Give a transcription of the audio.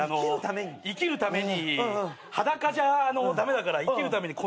生きるために裸じゃ駄目だから生きるためにこういう。